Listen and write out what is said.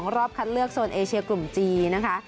รอบคัดเลือกโซนเอเชียกลุ่มจีนนะคะ